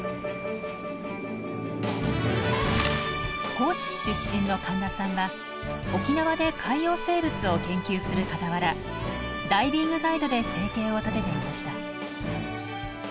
高知市出身の神田さんは沖縄で海洋生物を研究するかたわらダイビングガイドで生計を立てていました。